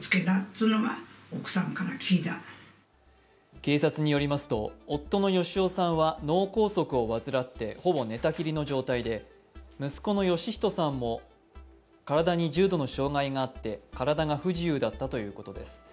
警察によりますと夫の芳男さんは脳梗塞を患ってほぼ寝たきりの状態で息子の芳人さんも体に重度の障害があって体が不自由だったということです。